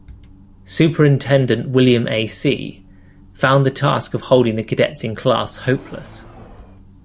Superintendent William A. Seay found the task of holding the cadets in class hopeless.